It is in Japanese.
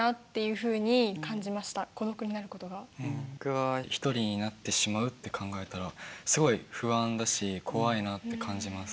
僕は１人になってしまうって考えたらすごい不安だし怖いなって感じます。